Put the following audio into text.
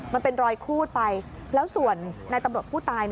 มันเป็นรอยครูดไปแล้วส่วนในตำรวจผู้ตาย